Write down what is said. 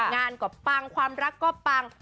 งานก็ปังความรักก็ปัง